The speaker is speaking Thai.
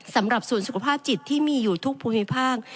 สำหรับส่วนสุขภาพจิตที่มีอยู่ทุกภูมิภาค